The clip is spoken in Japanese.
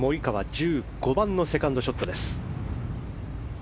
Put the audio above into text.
１５番のセカンドショット。